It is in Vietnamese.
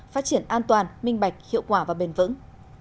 phát triển an toàn minh bạch hiệu quả và bền vững